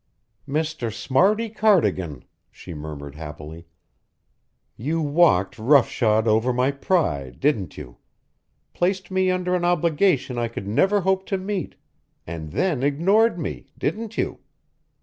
"Mr. Smarty Cardigan," she murmured happily, "you walked rough shod over my pride, didn't you! Placed me under an obligation I could never hope to meet and then ignored me didn't you?